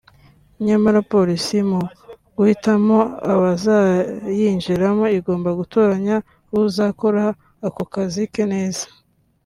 nyamara Polisi mu guhitamo abazayinjiramo igomba gutoranya uzakora ako kazi ke neza